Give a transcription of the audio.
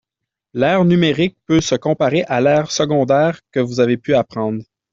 L'aire numérique peut se comparer à l'aire secondaire que vous avez pu apprendre